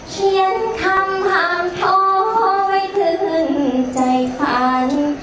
เขียนคำถามโทรไว้เทือนใจฟัน